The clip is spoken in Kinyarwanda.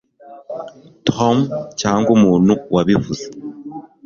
tom cyangwa umuntu wabivuze